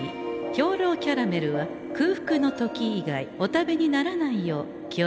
兵糧キャラメルは空腹の時以外お食べにならないよう気を付けてくださんせ。